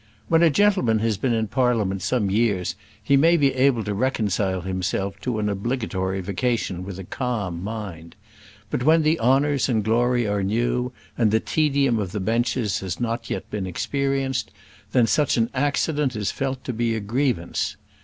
When a gentleman has been in Parliament some years he may be able to reconcile himself to an obligatory vacation with a calm mind. But when the honours and glory are new, and the tedium of the benches has not yet been experienced, then such an accident is felt to be a grievance.